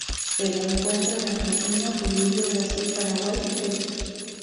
Se la encuentra en Argentina, Bolivia, Brasil, Paraguay y Perú.